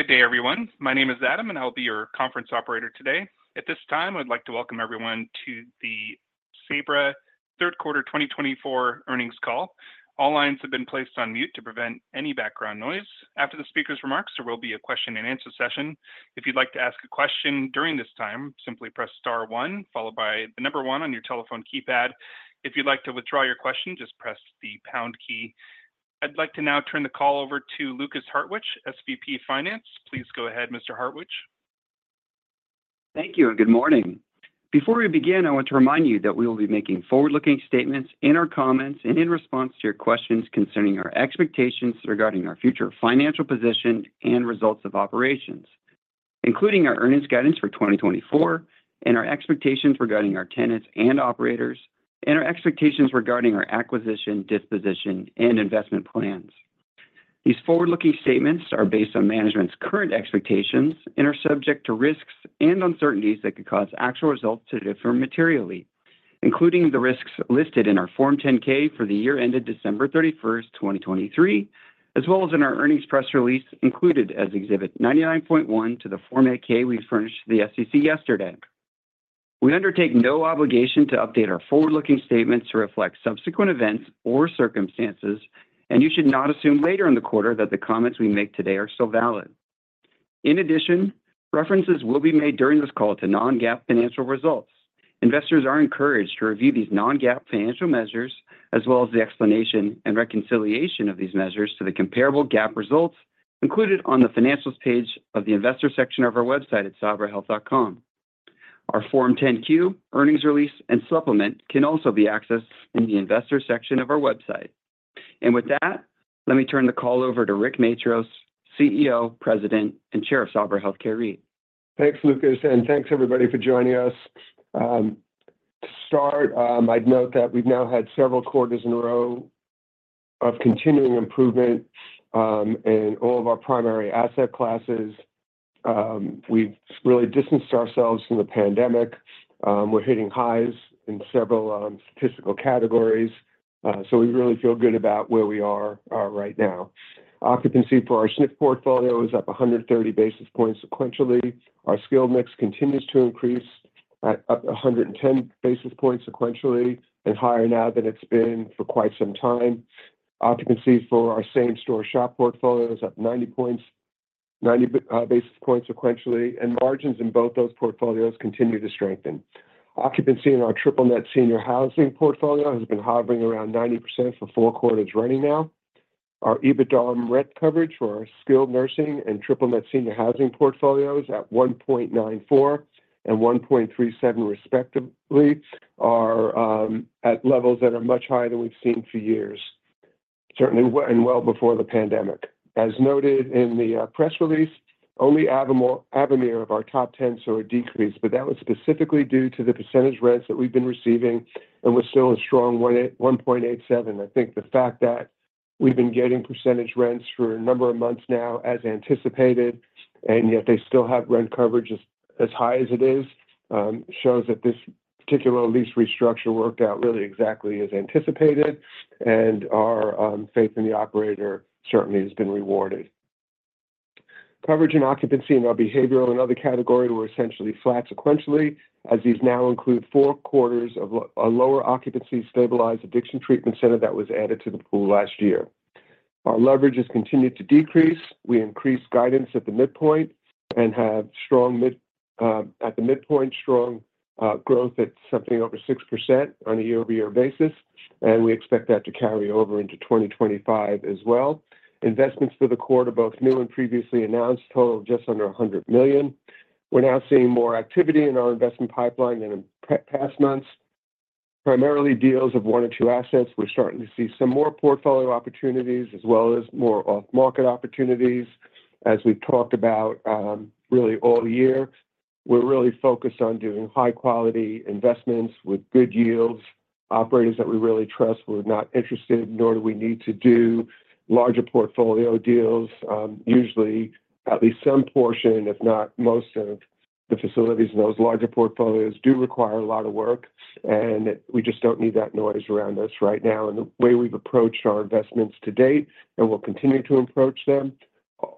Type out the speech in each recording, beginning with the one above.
Good day, everyone. My name is Adam, and I'll be your conference operator today. At this time, I'd like to welcome everyone to the Sabra third quarter 2024 earnings call. All lines have been placed on mute to prevent any background noise. After the speaker's remarks, there will be a question and answer session. If you'd like to ask a question during this time, simply press star one, followed by the number one on your telephone keypad. If you'd like to withdraw your question, just press the pound key. I'd like to now turn the call over to Lukas Hartwich, SVP Finance. Please go ahead, Mr. Hartwich. Thank you, and good morning. Before we begin, I want to remind you that we will be making forward-looking statements in our comments and in response to your questions concerning our expectations regarding our future financial position and results of operations, including our earnings guidance for 2024, and our expectations regarding our tenants and operators, and our expectations regarding our acquisition, disposition, and investment plans. These forward-looking statements are based on management's current expectations and are subject to risks and uncertainties that could cause actual results to differ materially, including the risks listed in our Form 10-K for the year ended December 31, 2023, as well as in our earnings press release included as Exhibit 99.1 to the Form 8-K we furnished to the SEC yesterday. We undertake no obligation to update our forward-looking statements to reflect subsequent events or circumstances, and you should not assume later in the quarter that the comments we make today are still valid. In addition, references will be made during this call to non-GAAP financial results. Investors are encouraged to review these non-GAAP financial measures, as well as the explanation and reconciliation of these measures to the comparable GAAP results included on the financials page of the investor section of our website at sabrahealth.com. Our Form 10-Q earnings release and supplement can also be accessed in the investor section of our website. And with that, let me turn the call over to Rick Matros, CEO, President, and Chair of Sabra Health Care REIT. Thanks, Lucas, and thanks, everybody, for joining us. To start, I'd note that we've now had several quarters in a row of continuing improvement in all of our primary asset classes. We've really distanced ourselves from the pandemic. We're hitting highs in several statistical categories, so we really feel good about where we are right now. Occupancy for our SNF portfolio is up 130 basis points sequentially. Our skilled mix continues to increase at up 110 basis points sequentially and higher now than it's been for quite some time. Occupancy for our same-store SHOP portfolio is up 90 basis points sequentially, and margins in both those portfolios continue to strengthen. Occupancy in our Triple-Net senior housing portfolio has been hovering around 90% for four quarters running now. Our EBITDAR coverage for our skilled nursing and Triple-Net senior housing portfolios at 1.94 and 1.37 respectively are at levels that are much higher than we've seen for years, certainly and well before the pandemic. As noted in the press release, only Avamere of our top 10 saw a decrease, but that was specifically due to the percentage rents that we've been receiving, and we're still as strong at 1.87. I think the fact that we've been getting percentage rents for a number of months now as anticipated, and yet they still have rent coverage as high as it is, shows that this particular lease restructure worked out really exactly as anticipated, and our faith in the operator certainly has been rewarded. Coverage and occupancy in our behavioral and other categories were essentially flat sequentially, as these now include four quarters of a lower occupancy stabilized addiction treatment center that was added to the pool last year. Our leverage has continued to decrease. We increased guidance at the midpoint and have strong at the midpoint, strong growth at something over 6% on a year-over-year basis, and we expect that to carry over into 2025 as well. Investments for the quarter, both new and previously announced, totaled just under $100 million. We're now seeing more activity in our investment pipeline than in past months, primarily deals of one or two assets. We're starting to see some more portfolio opportunities, as well as more off-market opportunities, as we've talked about really all year. We're really focused on doing high-quality investments with good yields. Operators that we really trust were not interested, nor do we need to do larger portfolio deals. Usually, at least some portion, if not most of the facilities in those larger portfolios do require a lot of work, and we just don't need that noise around us right now in the way we've approached our investments to date and will continue to approach them,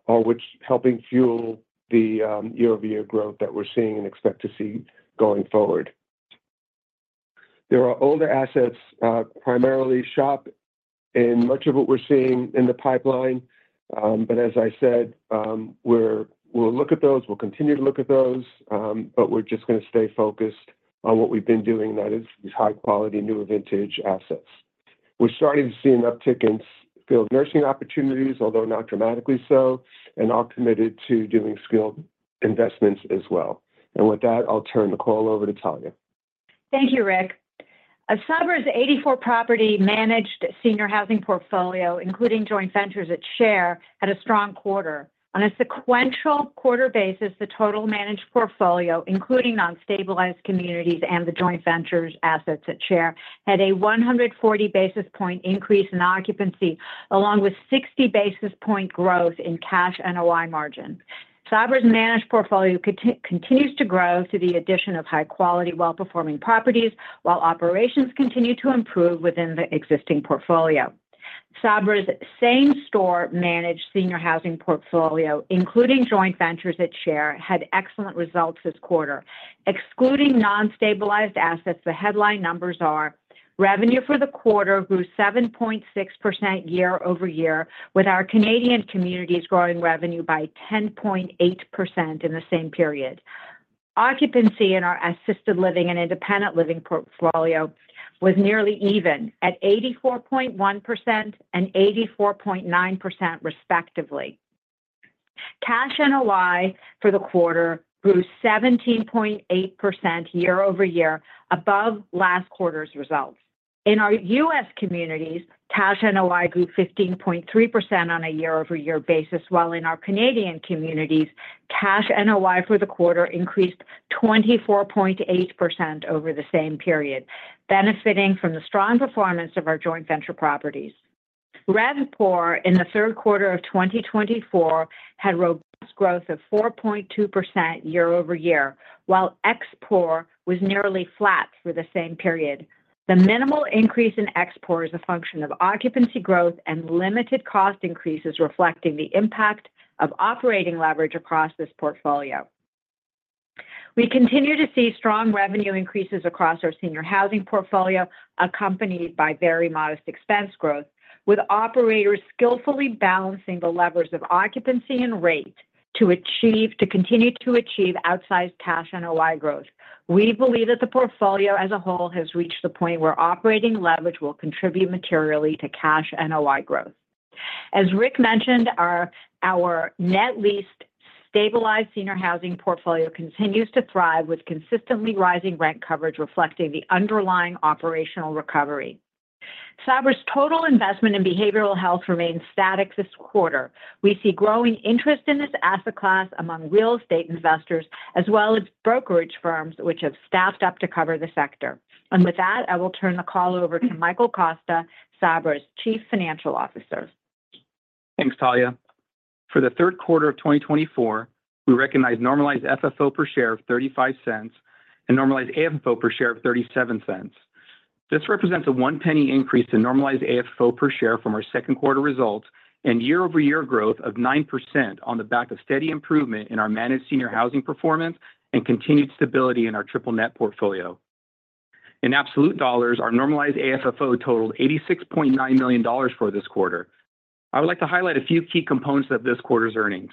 all which is helping fuel the year-over-year growth that we're seeing and expect to see going forward. There are older assets, primarily SHOP, in much of what we're seeing in the pipeline, but as I said, we'll look at those. We'll continue to look at those, but we're just going to stay focused on what we've been doing, and that is these high-quality new vintage assets. We're starting to see an uptick in skilled nursing opportunities, although not dramatically so, and are committed to doing skilled investments as well, and with that, I'll turn the call over to Talya. Thank you, Rick. Sabra's 84-property managed senior housing portfolio, including joint ventures at share, had a strong quarter. On a sequential quarter basis, the total managed portfolio, including non-stabilized communities and the joint ventures assets at share, had a 140 basis point increase in occupancy, along with 60 basis point growth in cash NOI margin. Sabra's managed portfolio continues to grow to the addition of high-quality, well-performing properties, while operations continue to improve within the existing portfolio. Sabra's same-store managed senior housing portfolio, including joint ventures at share, had excellent results this quarter. Excluding non-stabilized assets, the headline numbers are revenue for the quarter grew 7.6% year-over-year, with our Canadian communities growing revenue by 10.8% in the same period. Occupancy in our assisted living and independent living portfolio was nearly even at 84.1% and 84.9%, respectively. Cash NOI for the quarter grew 17.8% year-over-year, above last quarter's results. In our U.S. communities, cash NOI grew 15.3% on a year-over-year basis, while in our Canadian communities, cash NOI for the quarter increased 24.8% over the same period, benefiting from the strong performance of our joint venture properties. RevPOR in the third quarter of 2024 had robust growth of 4.2% year-over-year, while ExPOR was nearly flat for the same period. The minimal increase in ExPOR is a function of occupancy growth and limited cost increases reflecting the impact of operating leverage across this portfolio. We continue to see strong revenue increases across our senior housing portfolio, accompanied by very modest expense growth, with operators skillfully balancing the levers of occupancy and rate to continue to achieve outsized cash NOI growth. We believe that the portfolio as a whole has reached the point where operating leverage will contribute materially to cash NOI growth. As Rick mentioned, our net lease stabilized senior housing portfolio continues to thrive, with consistently rising rent coverage reflecting the underlying operational recovery. Sabra's total investment in behavioral health remains static this quarter. We see growing interest in this asset class among real estate investors, as well as brokerage firms, which have staffed up to cover the sector. With that, I will turn the call over to Michael Costa, Sabra's Chief Financial Officer. Thanks, Talya. For the third quarter of 2024, we recognize normalized FFO per share of $0.35 and normalized AFFO per share of $0.37. This represents a $0.01 increase in normalized AFFO per share from our second quarter results and year-over-year growth of 9% on the back of steady improvement in our managed senior housing performance and continued stability in our triple-net portfolio. In absolute dollars, our normalized AFFO totaled $86.9 million for this quarter. I would like to highlight a few key components of this quarter's earnings.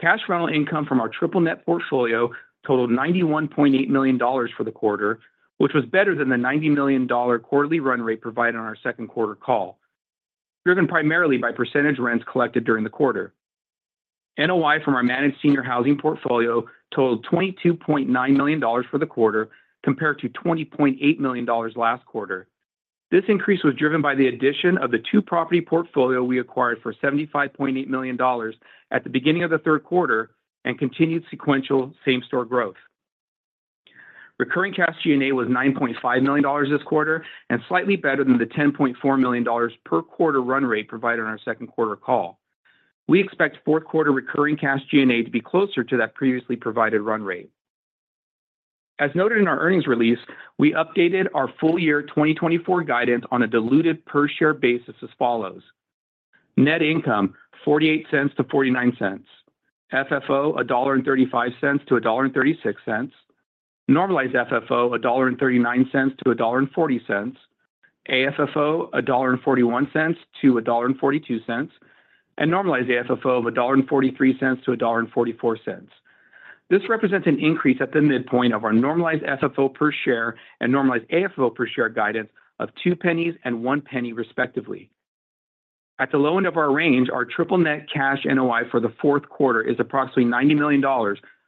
Cash rental income from our triple-net portfolio totaled $91.8 million for the quarter, which was better than the $90 million quarterly run rate provided on our second quarter call, driven primarily by percentage rents collected during the quarter. NOI from our managed senior housing portfolio totaled $22.9 million for the quarter, compared to $20.8 million last quarter. This increase was driven by the addition of the two-property portfolio we acquired for $75.8 million at the beginning of the third quarter and continued sequential same-store growth. Recurring cash G&A was $9.5 million this quarter and slightly better than the $10.4 million per quarter run rate provided on our second quarter call. We expect fourth quarter recurring cash G&A to be closer to that previously provided run rate. As noted in our earnings release, we updated our full year 2024 guidance on a diluted per-share basis as follows: net income $0.48-$0.49, FFO $1.35-$1.36, normalized FFO $1.39-$1.40, AFFO $1.41-$1.42, and normalized AFFO of $1.43-$1.44. This represents an increase at the midpoint of our normalized FFO per share and normalized AFFO per share guidance of two pennies and one penny, respectively. At the low end of our range, our triple-net cash NOI for the fourth quarter is approximately $90 million,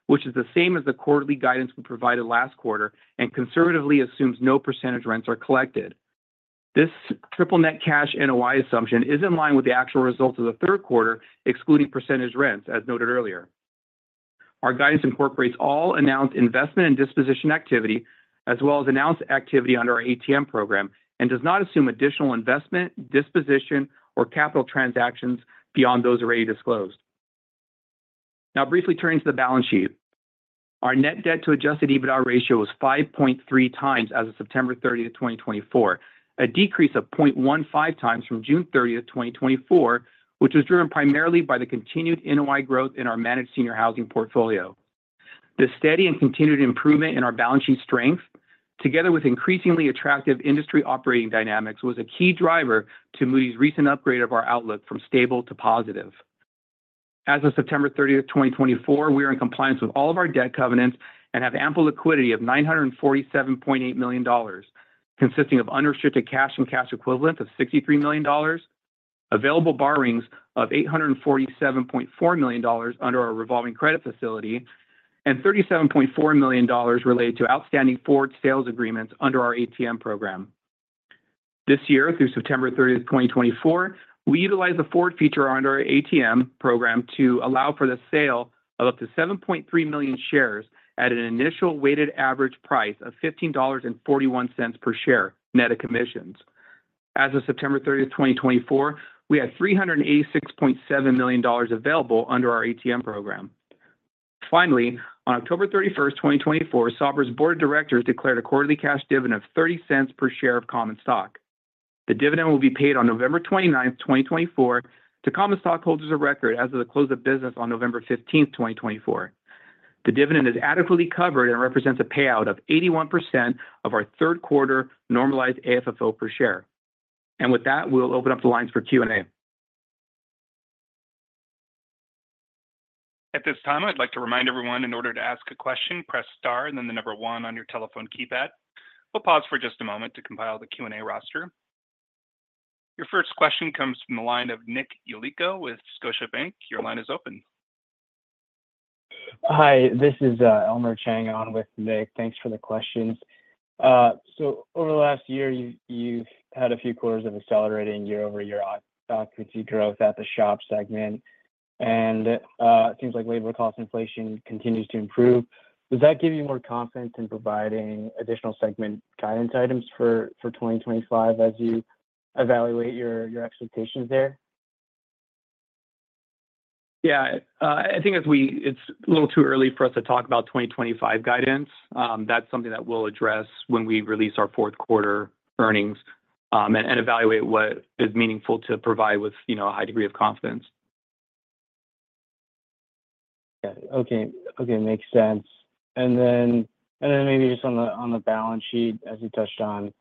which is the same as the quarterly guidance we provided last quarter and conservatively assumes no percentage rents are collected. This triple-net cash NOI assumption is in line with the actual results of the third quarter, excluding percentage rents, as noted earlier. Our guidance incorporates all announced investment and disposition activity, as well as announced activity under our ATM program, and does not assume additional investment, disposition, or capital transactions beyond those already disclosed. Now, briefly turning to the balance sheet, our net debt-to-adjusted EBITDA ratio was 5.3 times as of September 30, 2024, a decrease of 0.15 times from June 30, 2024, which was driven primarily by the continued NOI growth in our managed senior housing portfolio. The steady and continued improvement in our balance sheet strength, together with increasingly attractive industry operating dynamics, was a key driver to Moody's recent upgrade of our outlook from stable to positive. As of September 30, 2024, we are in compliance with all of our debt covenants and have ample liquidity of $947.8 million, consisting of unrestricted cash and cash equivalent of $63 million, available borrowings of $847.4 million under our revolving credit facility, and $37.4 million related to outstanding forward sales agreements under our ATM program. This year, through September 30, 2024, we utilize the forward feature under our ATM program to allow for the sale of up to 7.3 million shares at an initial weighted average price of $15.41 per share, net of commissions. As of September 30, 2024, we have $386.7 million available under our ATM program. Finally, on October 31, 2024, Sabra's board of directors declared a quarterly cash dividend of $0.30 per share of common stock. The dividend will be paid on November 29, 2024, to common stockholders of record as of the close of business on November 15, 2024. The dividend is adequately covered and represents a payout of 81% of our third quarter normalized AFFO per share. And with that, we'll open up the lines for Q&A. At this time, I'd like to remind everyone, in order to ask a question, press star and then the number one on your telephone keypad. We'll pause for just a moment to compile the Q&A roster. Your first question comes from the line of Nick Yulico with Scotiabank. Your line is open. Hi, this is Elmer Chang on with Nick. Thanks for the questions. So over the last year, you've had a few quarters of accelerating year-over-year occupancy growth at the SHOP segment, and it seems like labor cost inflation continues to improve. Does that give you more confidence in providing additional segment guidance items for 2025 as you evaluate your expectations there? Yeah, I think it's a little too early for us to talk about 2025 guidance. That's something that we'll address when we release our fourth quarter earnings and evaluate what is meaningful to provide with a high degree of confidence. Yeah, okay. Okay, makes sense. And then maybe just on the balance sheet, as you touched on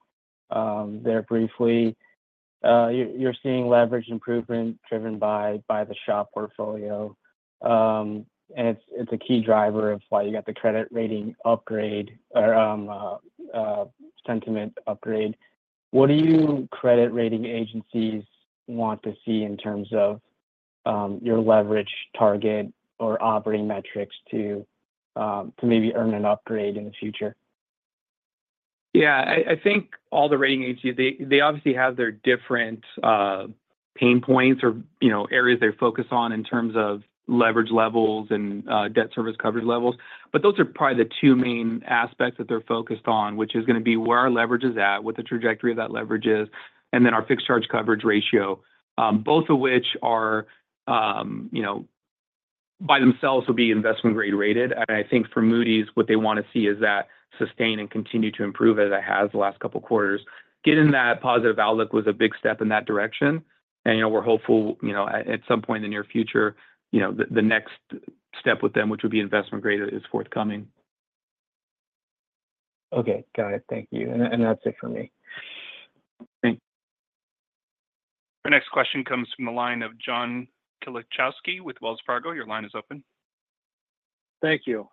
there briefly, you're seeing leverage improvement driven by the SHOP portfolio, and it's a key driver of why you got the credit rating upgrade or sentiment upgrade. What do the credit rating agencies want to see in terms of your leverage target or operating metrics to maybe earn an upgrade in the future? Yeah, I think all the rating agencies, they obviously have their different pain points or areas they're focused on in terms of leverage levels and debt service coverage levels, but those are probably the two main aspects that they're focused on, which is going to be where our leverage is at, what the trajectory of that leverage is, and then our fixed charge coverage ratio, both of which by themselves will be investment-grade rated, and I think for Moody's, what they want to see is that sustain and continue to improve as it has the last couple of quarters. Getting that positive outlook was a big step in that direction, and we're hopeful at some point in the near future, the next step with them, which would be investment-grade, is forthcoming. Okay, got it. Thank you. And that's it for me. Thanks. Our next question comes from the line of John Kilichowski with Wells Fargo. Your line is open. Thank you.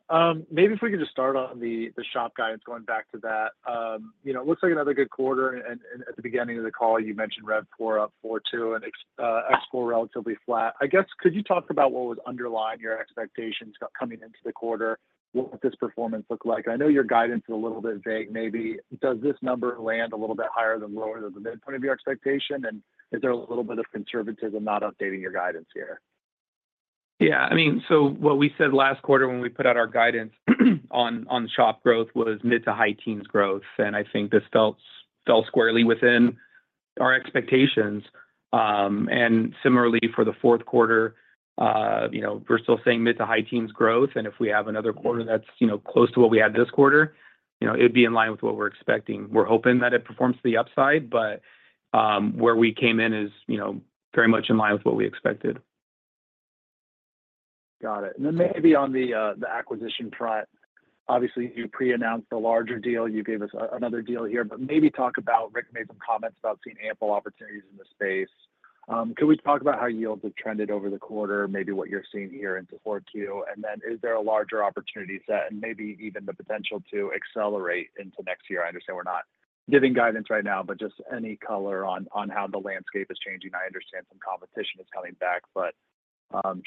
Maybe if we could just start on the shop guidance, going back to that. It looks like another good quarter, and at the beginning of the call, you mentioned RevPOR up 4.2% and ExPOR relatively flat. I guess, could you talk about what was underlying your expectations coming into the quarter? What would this performance look like? I know your guidance is a little bit vague, maybe. Does this number land a little bit higher than lower than the midpoint of your expectation, and is there a little bit of conservatism not updating your guidance here? Yeah, I mean, so what we said last quarter when we put out our guidance on shop growth was mid to high teens growth, and I think this fell squarely within our expectations. And similarly, for the fourth quarter, we're still seeing mid to high teens growth, and if we have another quarter that's close to what we had this quarter, it'd be in line with what we're expecting. We're hoping that it performs to the upside, but where we came in is very much in line with what we expected. Got it. And then maybe on the acquisition front, obviously, you pre-announced a larger deal. You gave us another deal here, but maybe talk about. Rick made some comments about seeing ample opportunities in the space. Could we talk about how yields have trended over the quarter, maybe what you're seeing here into Q4? And then is there a larger opportunity set and maybe even the potential to accelerate into next year? I understand we're not giving guidance right now, but just any color on how the landscape is changing. I understand some competition is coming back, but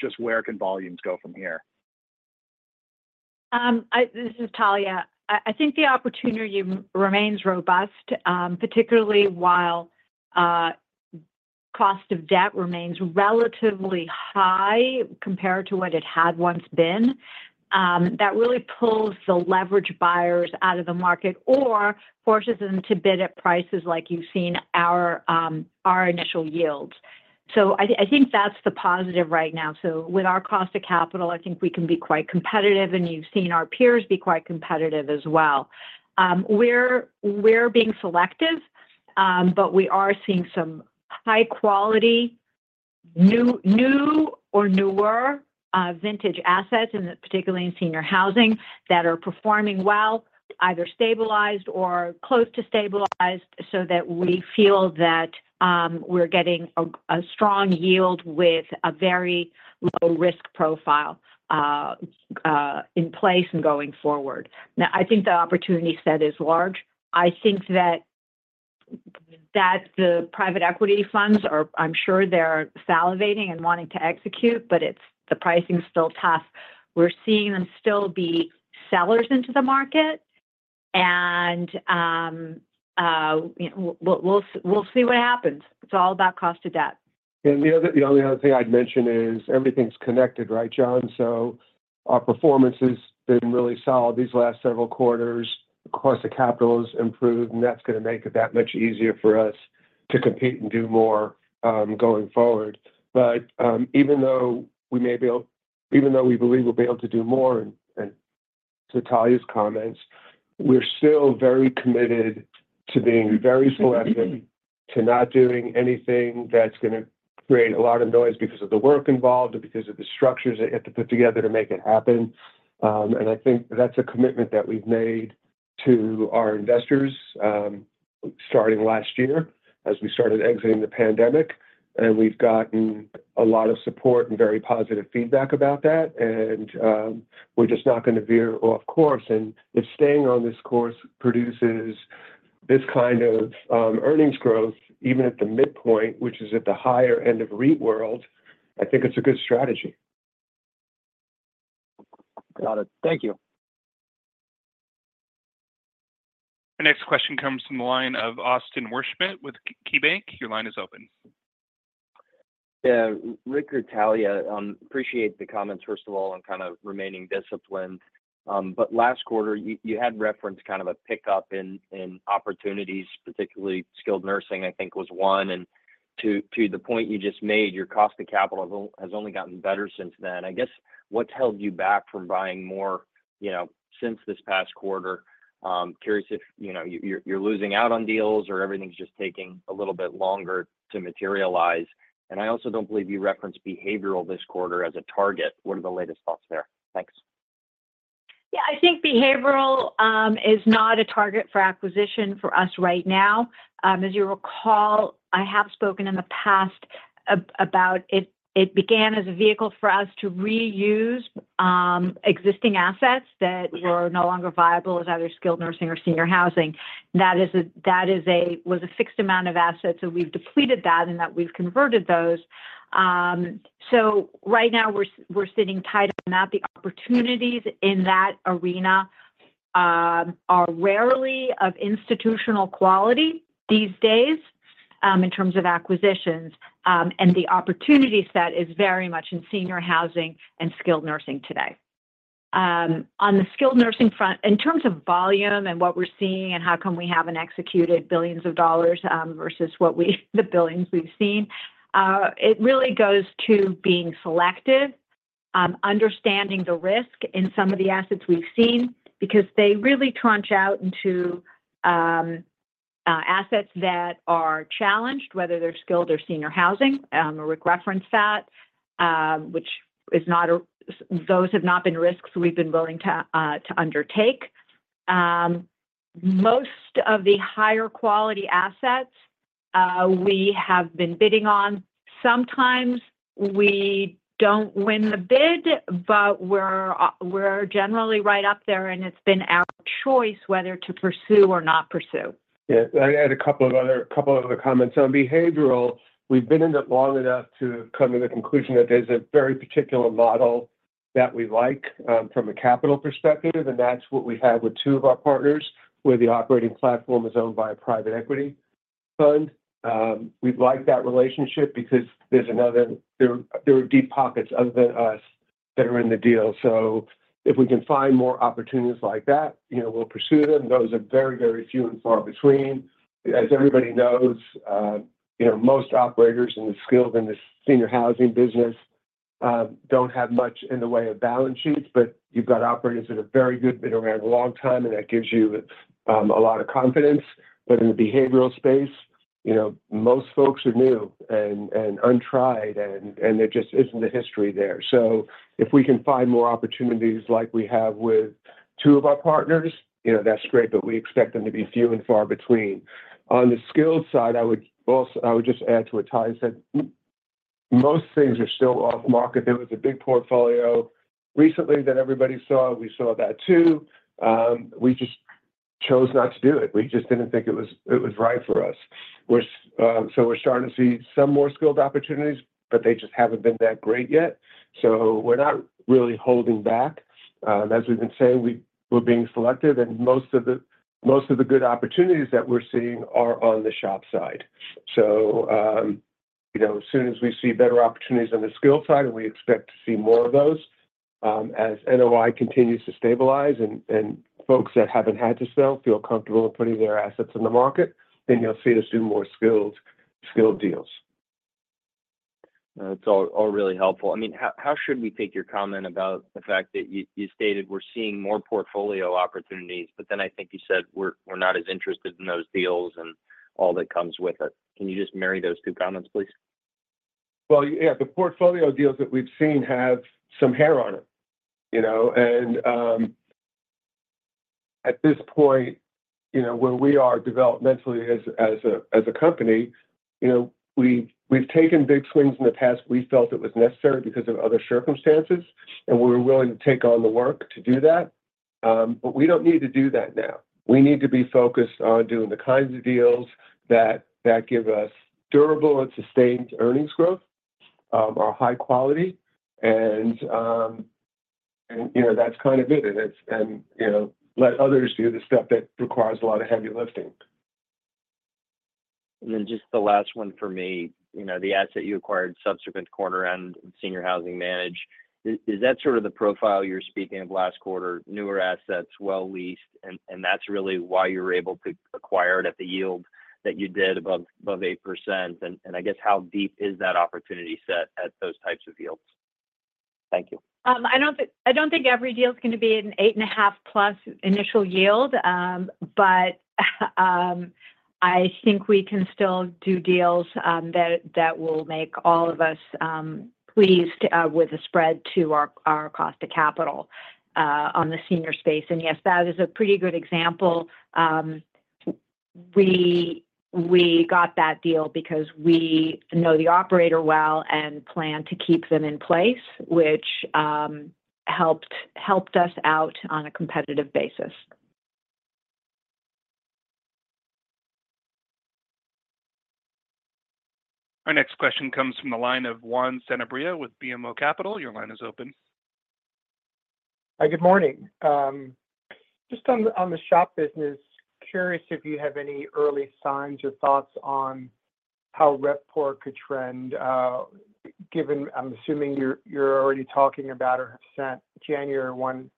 just where can volumes go from here? This is Talya. I think the opportunity remains robust, particularly while cost of debt remains relatively high compared to what it had once been. That really pulls the leverage buyers out of the market or forces them to bid at prices like you've seen our initial yields. So I think that's the positive right now. So with our cost of capital, I think we can be quite competitive, and you've seen our peers be quite competitive as well. We're being selective, but we are seeing some high-quality new or newer vintage assets, particularly in senior housing, that are performing well, either stabilized or close to stabilized, so that we feel that we're getting a strong yield with a very low-risk profile in place and going forward. Now, I think the opportunity set is large. I think that the private equity funds are, I'm sure they're salivating and wanting to execute, but the pricing is still tough. We're seeing them still be sellers into the market, and we'll see what happens. It's all about cost of debt. Yeah, the only other thing I'd mention is everything's connected, right, John? So our performance has been really solid these last several quarters. The cost of capital has improved, and that's going to make it that much easier for us to compete and do more going forward. But even though we may be able-even though we believe we'll be able to do more and to Talya's comments, we're still very committed to being very selective, to not doing anything that's going to create a lot of noise because of the work involved and because of the structures that you have to put together to make it happen. And I think that's a commitment that we've made to our investors starting last year as we started exiting the pandemic, and we've gotten a lot of support and very positive feedback about that, and we're just not going to veer off course. If staying on this course produces this kind of earnings growth, even at the midpoint, which is at the higher end of REIT world, I think it's a good strategy. Got it. Thank you. Our next question comes from the line of Austin Wurschmidt with KeyBank. Your line is open. Yeah, Rick or Talya, I appreciate the comments, first of all, on kind of remaining disciplined. But last quarter, you had referenced kind of a pickup in opportunities, particularly skilled nursing, I think was one. And to the point you just made, your cost of capital has only gotten better since then. I guess, what's held you back from buying more since this past quarter? Curious if you're losing out on deals or everything's just taking a little bit longer to materialize. And I also don't believe you referenced behavioral this quarter as a target. What are the latest thoughts there? Thanks. Yeah, I think behavioral is not a target for acquisition for us right now. As you recall, I have spoken in the past about it. It began as a vehicle for us to reuse existing assets that were no longer viable as either skilled nursing or senior housing. That was a fixed amount of assets, and we've depleted that and we've converted those. So right now, we're sitting tight on that. The opportunities in that arena are rarely of institutional quality these days in terms of acquisitions, and the opportunity set is very much in senior housing and skilled nursing today. On the skilled nursing front, in terms of volume and what we're seeing and how come we haven't executed billions of dollars versus the billions we've seen, it really goes to being selective, understanding the risk in some of the assets we've seen because they really tranche out into assets that are challenged, whether they're skilled or senior housing. Rick referenced that. Those have not been risks we've been willing to undertake. Most of the higher quality assets we have been bidding on, sometimes we don't win the bid, but we're generally right up there, and it's been our choice whether to pursue or not pursue. Yeah, I had a couple of other comments. On behavioral, we've been in it long enough to come to the conclusion that there's a very particular model that we like from a capital perspective, and that's what we have with two of our partners where the operating platform is owned by a private equity fund. We'd like that relationship because there are deep pockets other than us that are in the deal. So if we can find more opportunities like that, we'll pursue them. Those are very, very few and far between. As everybody knows, most operators in the skilled and the senior housing business don't have much in the way of balance sheets, but you've got operators that have very good been around a long time, and that gives you a lot of confidence. But in the behavioral space, most folks are new and untried, and there just isn't a history there. So if we can find more opportunities like we have with two of our partners, that's great, but we expect them to be few and far between. On the skilled side, I would just add to what Talya said. Most things are still off market. There was a big portfolio recently that everybody saw. We saw that too. We just chose not to do it. We just didn't think it was right for us. So we're starting to see some more skilled opportunities, but they just haven't been that great yet. So we're not really holding back. As we've been saying, we're being selective, and most of the good opportunities that we're seeing are on the shop side. So as soon as we see better opportunities on the skilled side, and we expect to see more of those as NOI continues to stabilize and folks that haven't had to sell feel comfortable putting their assets in the market, then you'll see us do more skilled deals. That's all really helpful. I mean, how should we take your comment about the fact that you stated we're seeing more portfolio opportunities, but then I think you said we're not as interested in those deals and all that comes with it? Can you just marry those two comments, please? Well, yeah, the portfolio deals that we've seen have some hair on them. And at this point, where we are developmentally as a company, we've taken big swings in the past. We felt it was necessary because of other circumstances, and we were willing to take on the work to do that. But we don't need to do that now. We need to be focused on doing the kinds of deals that give us durable and sustained earnings growth, are high quality, and that's kind of it. And let others do the stuff that requires a lot of heavy lifting. And then just the last one for me, the asset you acquired subsequent quarter-end, senior housing managed. Is that sort of the profile you're speaking of last quarter? Newer assets, well-leased, and that's really why you were able to acquire it at the yield that you did above 8%. And I guess, how deep is that opportunity set at those types of yields? Thank you. I don't think every deal is going to be an 8.5-plus initial yield, but I think we can still do deals that will make all of us pleased with the spread to our cost of capital on the senior space. And yes, that is a pretty good example. We got that deal because we know the operator well and plan to keep them in place, which helped us out on a competitive basis. Our next question comes from the line of Juan Sanabria with BMO Capital. Your line is open. Hi, good morning. Just on the shop business, curious if you have any early signs or thoughts on how RevPOR could trend, given I'm assuming you're already talking about or have sent January one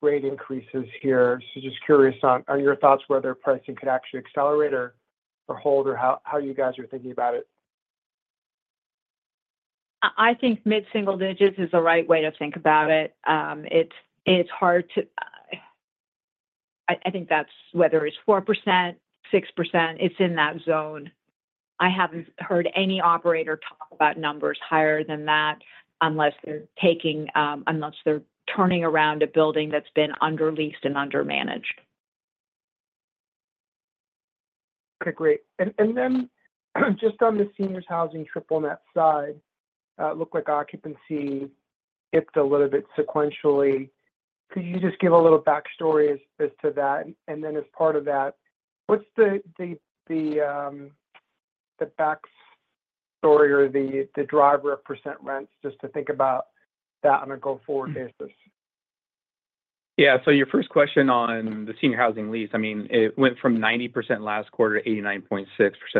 rate increases here. So just curious on your thoughts whether pricing could actually accelerate or hold or how you guys are thinking about it. I think mid-single digits is the right way to think about it. It's hard to, I think that's whether it's 4%, 6%. It's in that zone. I haven't heard any operator talk about numbers higher than that unless they're turning around a building that's been under-leased and under-managed. Okay, great. And then just on the seniors' housing triple net side, it looked like occupancy dipped a little bit sequentially. Could you just give a little backstory as to that? And then as part of that, what's the backstory or the driver of percent rents just to think about that on a go-forward basis? Yeah, so your first question on the senior housing lease, I mean, it went from 90% last quarter to 89.6%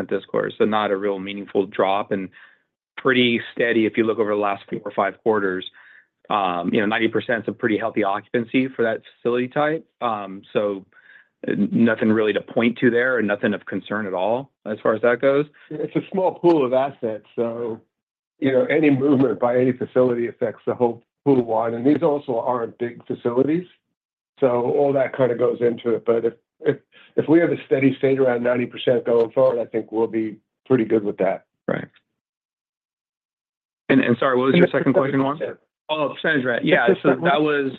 this quarter. So not a real meaningful drop and pretty steady if you look over the last four or five quarters. 90% is a pretty healthy occupancy for that facility type. So nothing really to point to there or nothing of concern at all as far as that goes. It's a small pool of assets. So any movement by any facility affects the whole pool wide. And these also aren't big facilities. So all that kind of goes into it. But if we have a steady state around 90% going forward, I think we'll be pretty good with that. Right. And sorry, what was your second question, Juan? Oh, percentage rent. Yeah, so that was,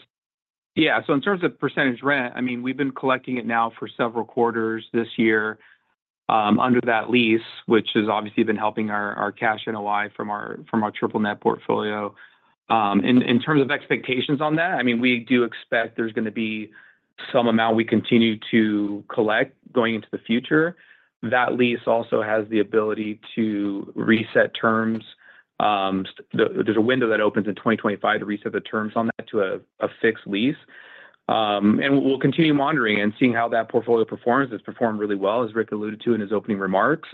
yeah. So in terms of percentage rent, I mean, we've been collecting it now for several quarters this year under that lease, which has obviously been helping our Cash NOI from our triple-net portfolio. In terms of expectations on that, I mean, we do expect there's going to be some amount we continue to collect going into the future. That lease also has the ability to reset terms. There's a window that opens in 2025 to reset the terms on that to a fixed lease, and we'll continue monitoring and seeing how that portfolio performs. It's performed really well, as Rick alluded to in his opening remarks,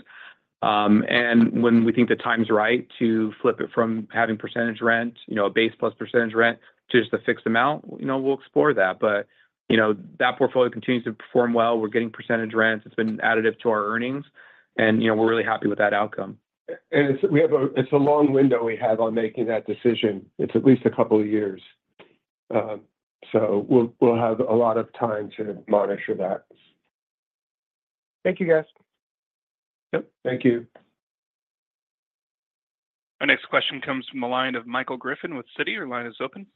and when we think the time's right to flip it from having percentage rent, a base plus percentage rent, to just a fixed amount, we'll explore that, but that portfolio continues to perform well. We're getting percentage rents. It's been additive to our earnings, and we're really happy with that outcome. And it's a long window we have on making that decision. It's at least a couple of years. So we'll have a lot of time to monitor that. Thank you, guys. Yep. Thank you. Our next question comes from the line of Michael Griffin with Citi. Your line is open.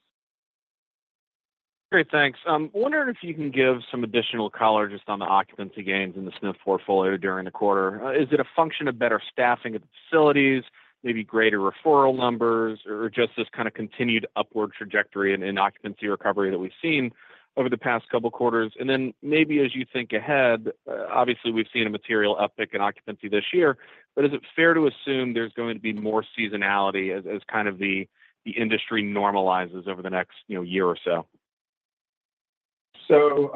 Great, thanks. Wondering if you can give some additional color just on the occupancy gains in the SNF portfolio during the quarter. Is it a function of better staffing at the facilities, maybe greater referral numbers, or just this kind of continued upward trajectory in occupancy recovery that we've seen over the past couple of quarters? And then maybe as you think ahead, obviously, we've seen a material uptick in occupancy this year, but is it fair to assume there's going to be more seasonality as kind of the industry normalizes over the next year or so? So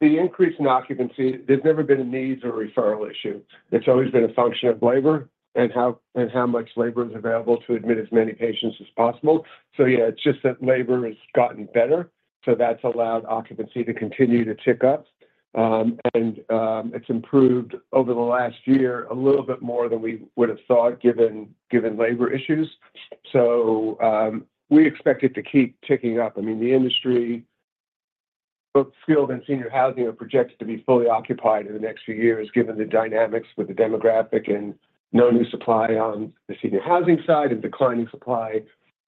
the increase in occupancy, there's never been a needs or referral issue. It's always been a function of labor and how much labor is available to admit as many patients as possible. So yeah, it's just that labor has gotten better. So that's allowed occupancy to continue to tick up. And it's improved over the last year a little bit more than we would have thought given labor issues. So we expect it to keep ticking up. I mean, the industry, both skilled and senior housing, are projected to be fully occupied in the next few years given the dynamics with the demographic and no new supply on the senior housing side and declining supply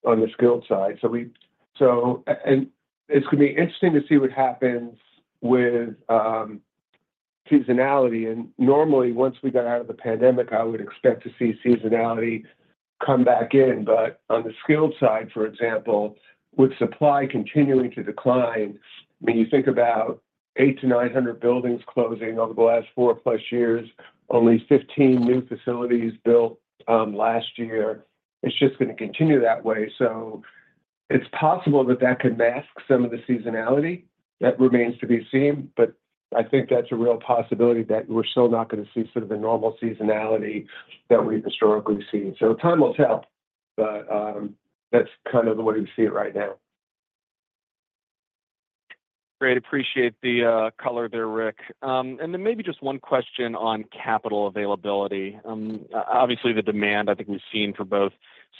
on the skilled side. And it's going to be interesting to see what happens with seasonality. And normally, once we got out of the pandemic, I would expect to see seasonality come back in. But on the skilled side, for example, with supply continuing to decline, I mean, you think about 800-900 buildings closing over the last four-plus years, only 15 new facilities built last year. It's just going to continue that way. So it's possible that that can mask some of the seasonality. That remains to be seen, but I think that's a real possibility that we're still not going to see sort of the normal seasonality that we've historically seen. So time will tell, but that's kind of the way we see it right now. Great. Appreciate the color there, Rick. And then maybe just one question on capital availability. Obviously, the demand I think we've seen for both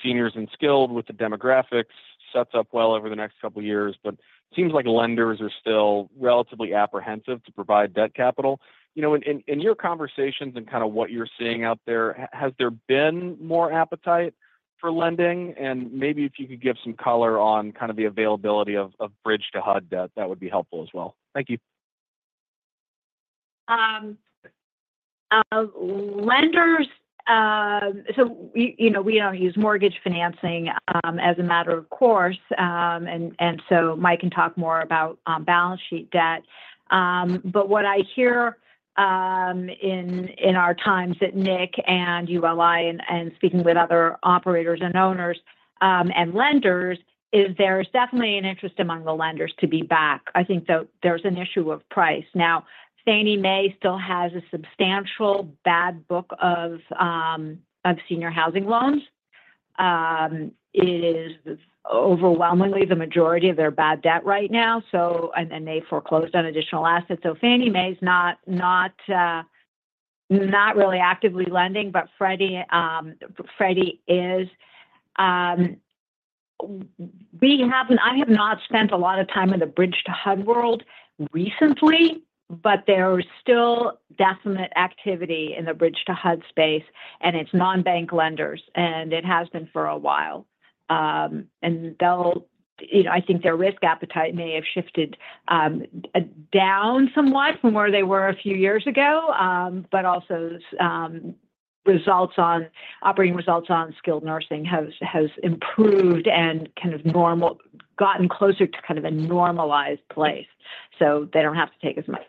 seniors and skilled with the demographics sets up well over the next couple of years, but it seems like lenders are still relatively apprehensive to provide debt capital. In your conversations and kind of what you're seeing out there, has there been more appetite for lending? And maybe if you could give some color on kind of the availability of Bridge-to-HUD debt, that would be helpful as well. Thank you. Lenders, so we use mortgage financing as a matter of course. And so Mike can talk more about balance sheet debt. But what I hear in our times at NIC and ULI and speaking with other operators and owners and lenders is there's definitely an interest among the lenders to be back. I think there's an issue of price. Now, Fannie Mae still has a substantial bad book of senior housing loans. It is overwhelmingly the majority of their bad debt right now, and then they foreclosed on additional assets. So Fannie Mae's not really actively lending, but Freddie is. I have not spent a lot of time in the Bridge-to-HUD world recently, but there is still definite activity in the Bridge-to-HUD space, and it's non-bank lenders, and it has been for a while. And I think their risk appetite may have shifted down somewhat from where they were a few years ago, but also operating results on skilled nursing has improved and kind of gotten closer to kind of a normalized place. So they don't have to take as much.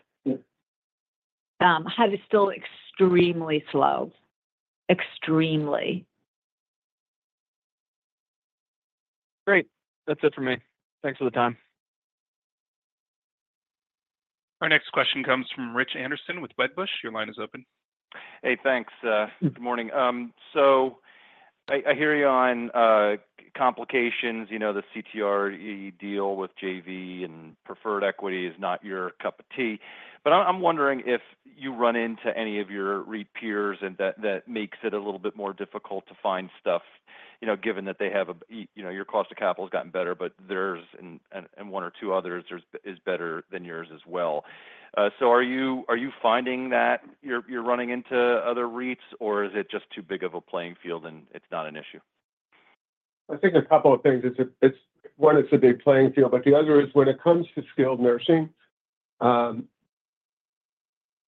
HUD is still extremely slow. Extremely. Great. That's it for me. Thanks for the time. Our next question comes from Rich Anderson with Wedbush. Your line is open. Hey, thanks. Good morning. So I hear you on complications. The CTRE deal with JV and preferred equity is not your cup of tea. But I'm wondering if you run into any of your REIT peers that makes it a little bit more difficult to find stuff, given that they have your cost of capital has gotten better, but theirs and one or two others is better than yours as well. So are you finding that you're running into other REITs, or is it just too big of a playing field and it's not an issue? I think a couple of things. One, it's a big playing field, but the other is when it comes to skilled nursing,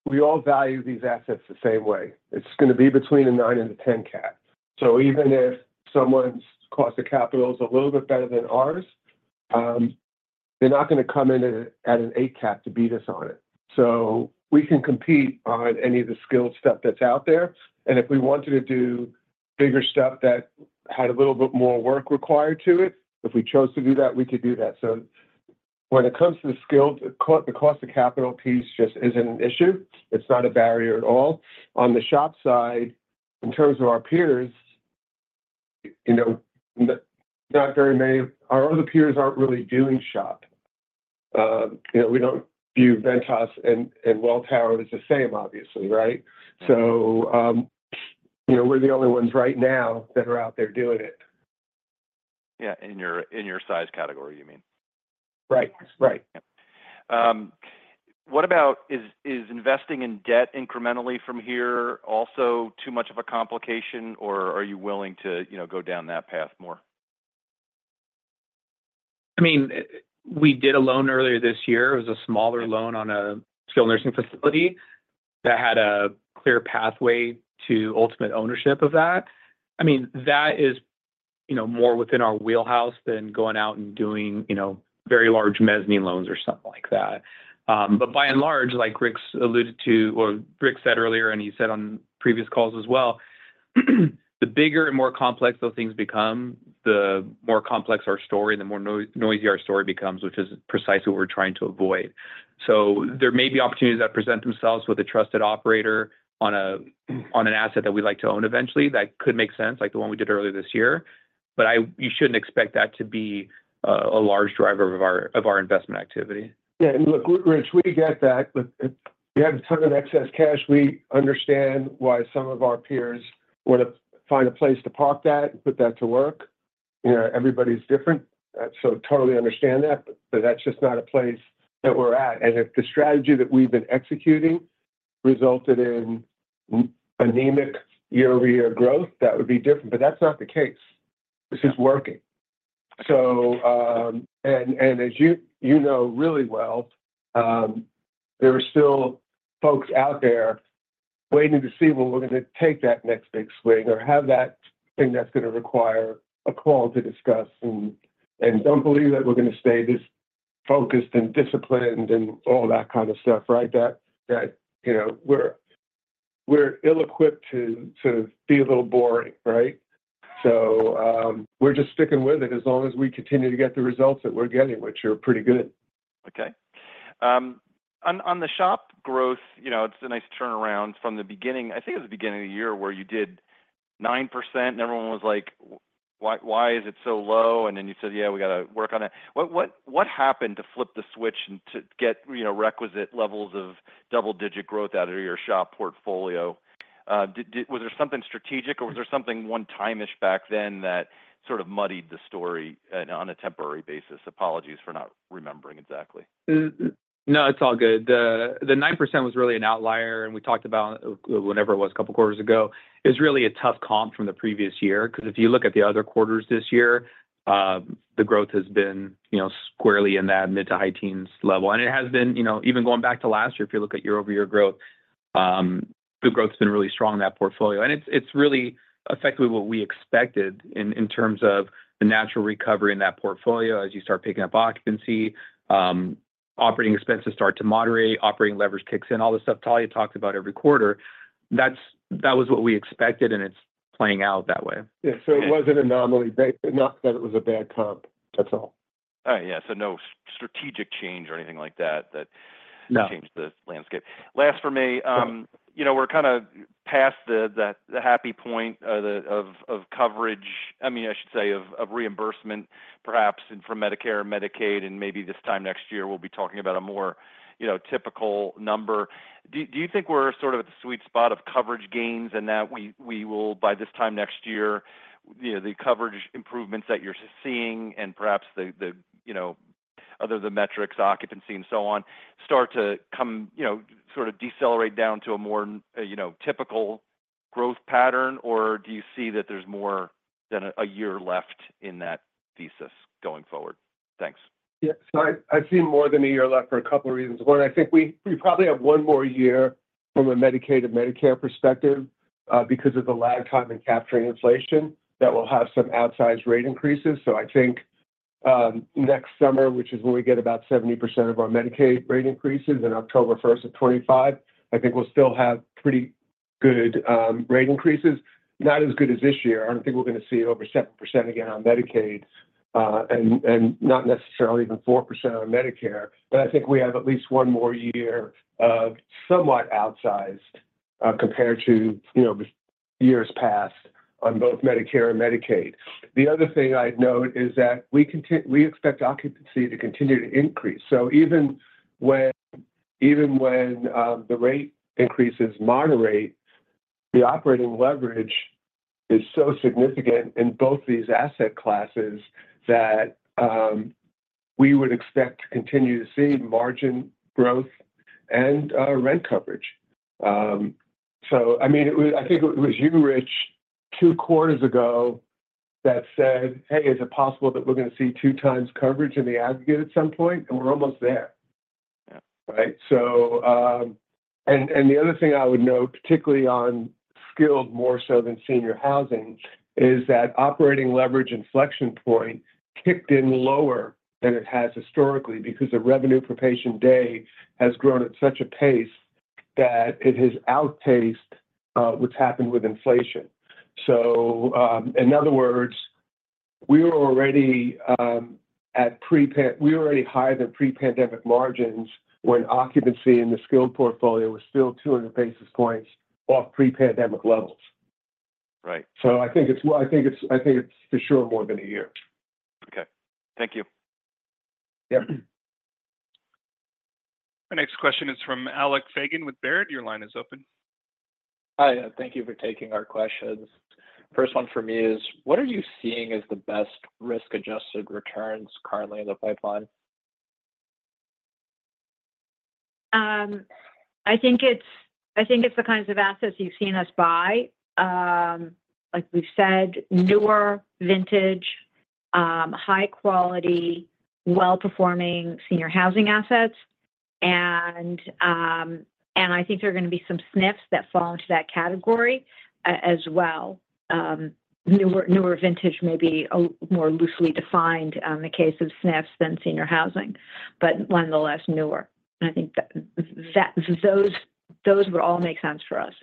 we all value these assets the same way. It's going to be between a nine and a 10 cap. So even if someone's cost of capital is a little bit better than ours, they're not going to come in at an eight cap to beat us on it. So we can compete on any of the skilled stuff that's out there. And if we wanted to do bigger stuff that had a little bit more work required to it, if we chose to do that, we could do that. So when it comes to the skilled, the cost of capital piece just isn't an issue. It's not a barrier at all. On the shop side, in terms of our peers, not very many. Our other peers aren't really doing shop. We don't view Ventas and Welltower as the same, obviously, right? So we're the only ones right now that are out there doing it. Yeah. In your size category, you mean? Right. Right. What about, is investing in debt incrementally from here also too much of a complication, or are you willing to go down that path more? I mean, we did a loan earlier this year. It was a smaller loan on a skilled nursing facility that had a clear pathway to ultimate ownership of that. I mean, that is more within our wheelhouse than going out and doing very large mezzanine loans or something like that. But by and large, like Rick said earlier, and he said on previous calls as well, the bigger and more complex those things become, the more complex our story and the more noisy our story becomes, which is precisely what we're trying to avoid. So there may be opportunities that present themselves with a trusted operator on an asset that we'd like to own eventually that could make sense, like the one we did earlier this year. But you shouldn't expect that to be a large driver of our investment activity. Yeah. And look, Rich, we get that. We have a ton of excess cash. We understand why some of our peers want to find a place to park that and put that to work. Everybody's different. So totally understand that, but that's just not a place that we're at. And if the strategy that we've been executing resulted in anemic year-over-year growth, that would be different. But that's not the case. This is working. And as you know really well, there are still folks out there waiting to see when we're going to take that next big swing or have that thing that's going to require a call to discuss. And don't believe that we're going to stay this focused and disciplined and all that kind of stuff, right? That we're ill-equipped to sort of be a little boring, right? So we're just sticking with it as long as we continue to get the results that we're getting, which are pretty good. Okay. On the shop growth, it's a nice turnaround from the beginning. I think it was the beginning of the year where you did 9%, and everyone was like, "Why is it so low?" And then you said, "Yeah, we got to work on it." What happened to flip the switch and to get requisite levels of double-digit growth out of your shop portfolio? Was there something strategic, or was there something one-time-ish back then that sort of muddied the story on a temporary basis? Apologies for not remembering exactly. No, it's all good. The 9% was really an outlier, and we talked about whenever it was a couple of quarters ago. It's really a tough comp from the previous year because if you look at the other quarters this year, the growth has been squarely in that mid to high teens level. And it has been, even going back to last year, if you look at year-over-year growth, the growth has been really strong in that portfolio. And it's really effectively what we expected in terms of the natural recovery in that portfolio as you start picking up occupancy, operating expenses start to moderate, operating leverage kicks in, all this stuff Talya talked about every quarter. That was what we expected, and it's playing out that way. Yeah. So it wasn't an anomaly, not that it was a bad comp. That's all. All right. Yeah. So no strategic change or anything like that that changed the landscape. Last for me, we're kind of past the hump point of coverage, I mean, I should say, of reimbursement, perhaps, from Medicare and Medicaid. Maybe this time next year, we'll be talking about a more typical number. Do you think we're sort of at the sweet spot of coverage gains and that we will, by this time next year, the coverage improvements that you're seeing and perhaps other than the metrics, occupancy, and so on, start to come sort of decelerate down to a more typical growth pattern, or do you see that there's more than a year left in that thesis going forward? Thanks. Yeah. So I've seen more than a year left for a couple of reasons. One, I think we probably have one more year from a Medicaid and Medicare perspective because of the lag time in capturing inflation that will have some outsized rate increases. So I think next summer, which is when we get about 70% of our Medicaid rate increases on October 1st of 2025, I think we'll still have pretty good rate increases, not as good as this year. I don't think we're going to see over 7% again on Medicaid and not necessarily even 4% on Medicare. But I think we have at least one more year of somewhat outsized compared to years past on both Medicare and Medicaid. The other thing I'd note is that we expect occupancy to continue to increase. So even when the rate increases moderate, the operating leverage is so significant in both these asset classes that we would expect to continue to see margin growth and rent coverage. So I mean, I think it was you, Rich, two quarters ago that said, "Hey, is it possible that we're going to see two times coverage in the aggregate at some point?" And we're almost there, right? And the other thing I would note, particularly on skilled more so than senior housing, is that operating leverage inflection point kicked in lower than it has historically because the revenue per patient day has grown at such a pace that it has outpaced what's happened with inflation. So in other words, we were already at pre-pandemic higher than pre-pandemic margins when occupancy in the skilled portfolio was still 200 basis points off pre-pandemic levels. I think it's for sure more than a year. Okay. Thank you. Yep. Our next question is from Alec Fagan with Baird. Your line is open. Hi. Thank you for taking our questions. First one for me is, what are you seeing as the best risk-adjusted returns currently in the pipeline? I think it's the kinds of assets you've seen us buy, like we've said, newer, vintage, high-quality, well-performing senior housing assets. And I think there are going to be some SNFs that fall into that category as well. Newer vintage may be more loosely defined in the case of SNFs than senior housing, but nonetheless, newer. And I think those would all make sense for us.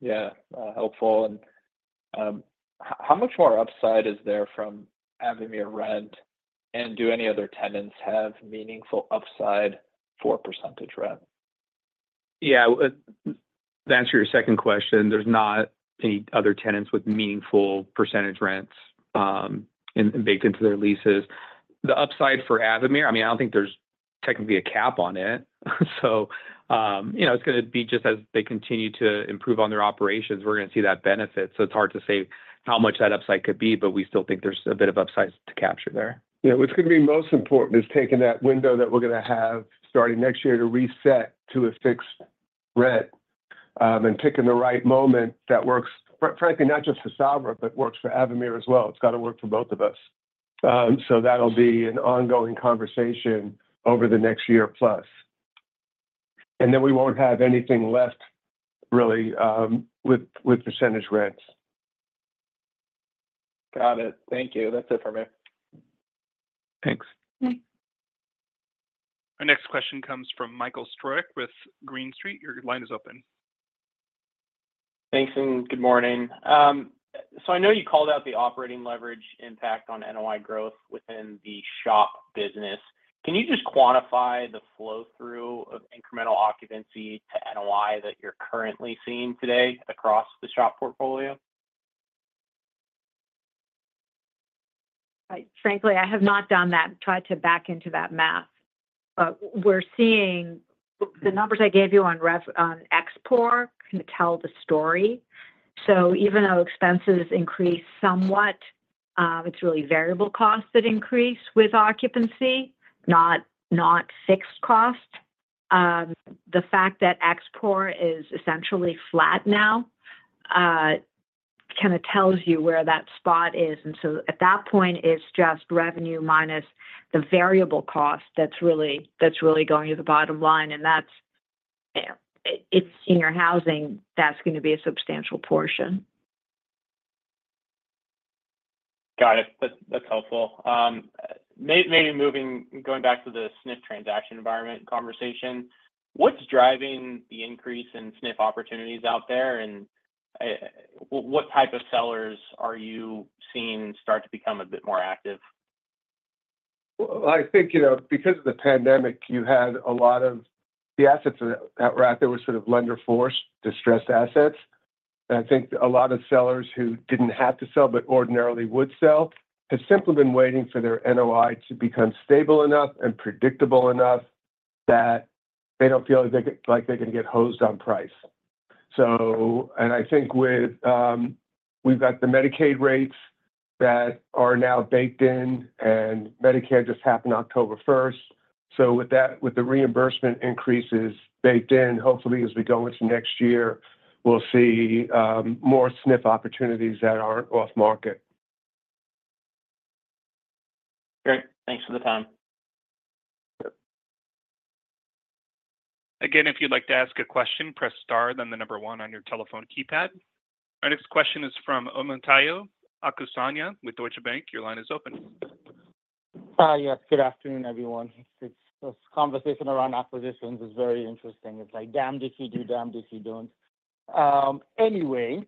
Yeah. Helpful. And how much more upside is there from having your rent? And do any other tenants have meaningful upside for percentage rent? Yeah. To answer your second question, there's not any other tenants with meaningful percentage rents baked into their leases. The upside for Avamere, I mean, I don't think there's technically a cap on it. So it's going to be just as they continue to improve on their operations, we're going to see that benefit. So it's hard to say how much that upside could be, but we still think there's a bit of upside to capture there. Yeah. What's going to be most important is taking that window that we're going to have starting next year to reset to a fixed rent and picking the right moment that works, frankly, not just for Sabra, but works for Avamere as well. It's got to work for both of us. So that'll be an ongoing conversation over the next year plus. And then we won't have anything left really with percentage rents. Got it. Thank you. That's it for me. Thanks. Our next question comes from Michael Struck with Green Street. Your line is open. Thanks. And good morning. So I know you called out the operating leverage impact on NOI growth within the shop business. Can you just quantify the flow-through of incremental occupancy to NOI that you're currently seeing today across the shop portfolio? Frankly, I have not done that and tried to back into that math. We're seeing the numbers I gave you on ExPOR kind of tell the story. So even though expenses increase somewhat, it's really variable costs that increase with occupancy, not fixed costs. The fact that ExPOR is essentially flat now kind of tells you where that spot is. And so at that point, it's just revenue minus the variable cost that's really going to the bottom line. And it's senior housing that's going to be a substantial portion. Got it. That's helpful. Maybe going back to the SNF transaction environment conversation, what's driving the increase in SNF opportunities out there? And what type of sellers are you seeing start to become a bit more active? I think because of the pandemic, you had a lot of the assets that were out there were sort of lender-forced distressed assets. I think a lot of sellers who didn't have to sell but ordinarily would sell have simply been waiting for their NOI to become stable enough and predictable enough that they don't feel like they're going to get hosed on price. I think we've got the Medicaid rates that are now baked in, and Medicaid just happened October 1st. With the reimbursement increases baked in, hopefully, as we go into next year, we'll see more SNF opportunities that aren't off-market. Great. Thanks for the time. Again, if you'd like to ask a question, press star, then the number one on your telephone keypad. Our next question is from Omotayo Okusanya with Deutsche Bank. Your line is open. Hi. Yes. Good afternoon, everyone. This conversation around acquisitions is very interesting. It's like, "Damned if you do, damned if you don't." Anyway,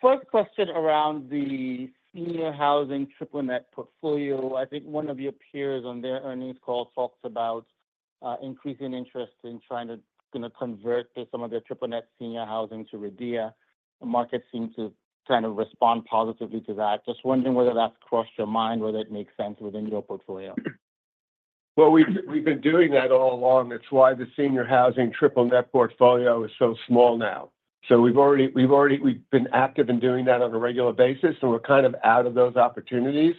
first question around the senior housing triple-net portfolio. I think one of your peers on their earnings call talked about increasing interest in trying to kind of convert some of their triple-net senior housing to REITs. The market seemed to kind of respond positively to that. Just wondering whether that's crossed your mind, whether it makes sense within your portfolio. Well, we've been doing that all along. That's why the senior housing triple-net portfolio is so small now. So we've been active in doing that on a regular basis, and we're kind of out of those opportunities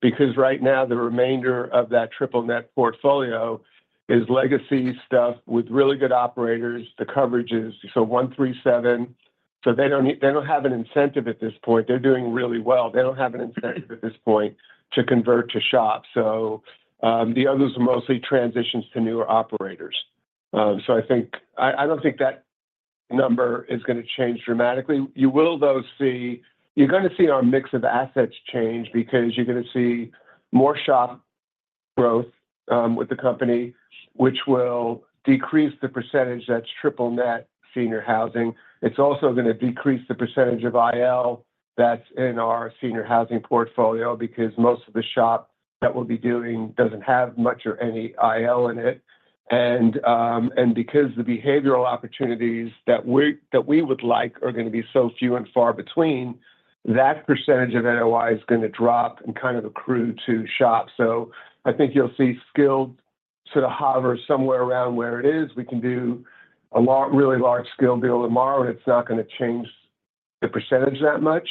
because right now, the remainder of that triple-net portfolio is legacy stuff with really good operators. The coverage is so 137. So they don't have an incentive at this point. They're doing really well. They don't have an incentive at this point to convert to shop. So the others are mostly transitions to newer operators. So I don't think that number is going to change dramatically. You will, though, see you're going to see our mix of assets change because you're going to see more shop growth with the company, which will decrease the percentage that's triple-net senior housing. It's also going to decrease the percentage of IL that's in our senior housing portfolio because most of the shop that we'll be doing doesn't have much or any IL in it, and because the behavioral opportunities that we would like are going to be so few and far between, that percentage of NOI is going to drop and kind of accrue to shop. So I think you'll see skilled sort of hover somewhere around where it is. We can do a really large scale deal tomorrow, and it's not going to change the percentage that much.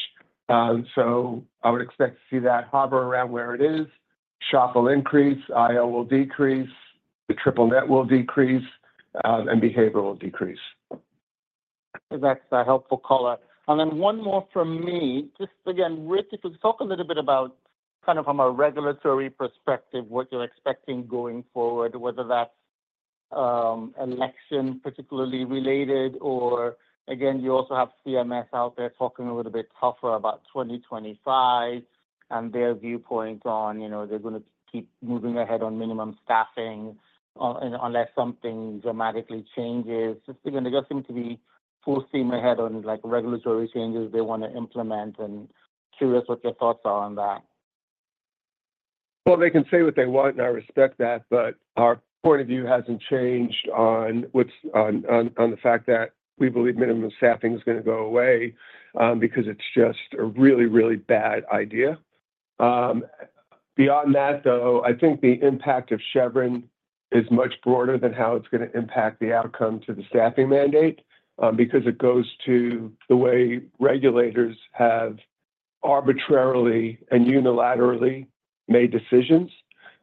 So I would expect to see that hover around where it is. SHOP will increase. IL will decrease. The triple-net will decrease, and behavioral will decrease. That's a helpful caller. And then one more from me. Just again, Rick, if you could talk a little bit about kind of from a regulatory perspective, what you're expecting going forward, whether that's election particularly related, or again, you also have CMS out there talking a little bit tougher about 2025 and their viewpoint on they're going to keep moving ahead on minimum staffing unless something dramatically changes. They just seem to be full steam ahead on regulatory changes they want to implement. And curious what your thoughts are on that. Well, they can say what they want, and I respect that. But our point of view hasn't changed on the fact that we believe minimum staffing is going to go away because it's just a really, really bad idea. Beyond that, though, I think the impact of Chevron is much broader than how it's going to impact the outcome to the staffing mandate because it goes to the way regulators have arbitrarily and unilaterally made decisions.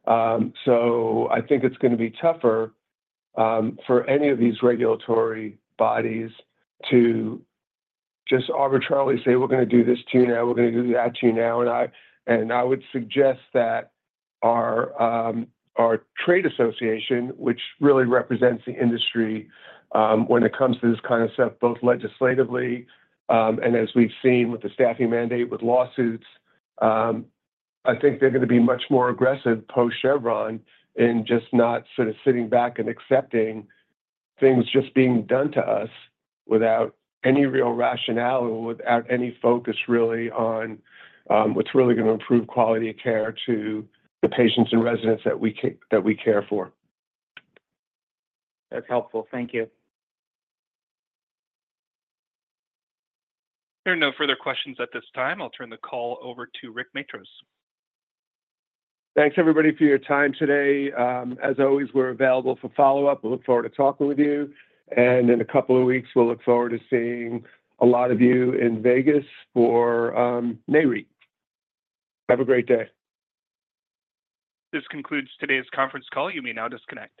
So I think it's going to be tougher for any of these regulatory bodies to just arbitrarily say, "We're going to do this to you now. We're going to do that to you now." And I would suggest that our trade association, which really represents the industry when it comes to this kind of stuff, both legislatively and as we've seen with the staffing mandate with lawsuits, I think they're going to be much more aggressive post-Chevron in just not sort of sitting back and accepting things just being done to us without any real rationale or without any focus really on what's really going to improve quality of care to the patients and residents that we care for. That's helpful. Thank you. There are no further questions at this time. I'll turn the call over to Rick Matros. Thanks, everybody, for your time today. As always, we're available for follow-up. We look forward to talking with you, and in a couple of weeks, we'll look forward to seeing a lot of you in Vegas for Nareit. Have a great day. This concludes today's conference call. You may now disconnect.